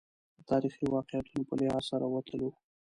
د تاریخي واقعیتونو په لحاظ سره وتلو.